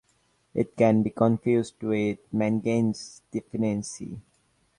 It can be confused with manganese deficiency.